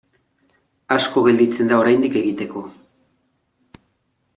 Asko gelditzen da oraindik egiteko.